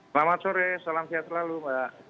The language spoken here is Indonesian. selamat sore salam sehat selalu mbak